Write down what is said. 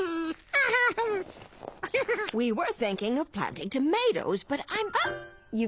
ああ。